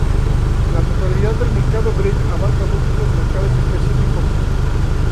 La totalidad del mercado grid abarca múltiples mercados específicos.